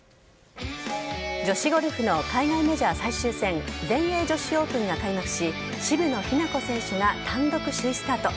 女子ゴルフの海外メジャー最終戦全英女子オープンが開幕し渋野日向子選手が単独首位スタート。